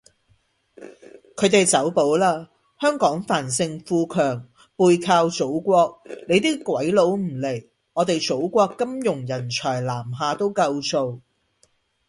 佢哋走寶喇，香港繁盛富強背靠祖國，你啲鬼佬唔嚟，我哋祖國金融人才南下都夠做